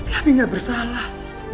tapi aku gak bersalah